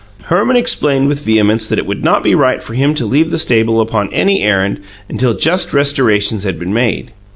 Herman explained with vehemence that it would not be right for him to leave the stable upon any errand until just restorations had been made.